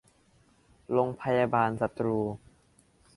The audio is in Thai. โรงพยาบาลสตูล